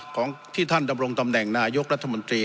ของที่ท่านดำรงตำแหน่งนายกรัฐมนตรี